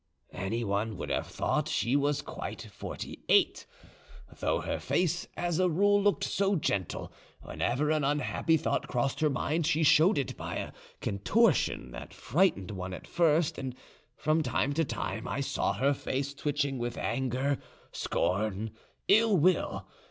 Anyone would have thought she was quite forty eight. Though her face as a rule looked so gentle, whenever an unhappy thought crossed her mind she showed it by a contortion that frightened one at first, and from time to time I saw her face twitching with anger, scorn, or ill will.